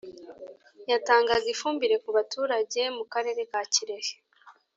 yatangaga ifumbire ku baturage mu Karere ka Kirehe